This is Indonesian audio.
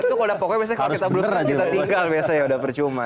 itu kalo udah pokoknya biasanya kalo kita belum kita tinggal biasanya udah percuma